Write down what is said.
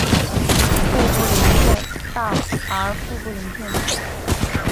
背部鳞片大而腹部鳞片小。